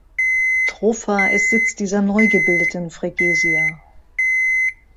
Trofa ist Sitz dieser neu gebildeten Freguesia.